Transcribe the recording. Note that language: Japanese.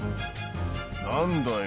「何だよ